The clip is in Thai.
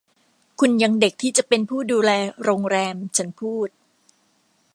คุณยังเด็กที่จะเป็นผู้ดูแลโรงแรม” ฉันพูด